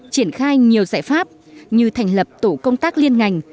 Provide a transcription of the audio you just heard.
triển khai nhiều giải pháp như thành lập tổ công tác liên ngành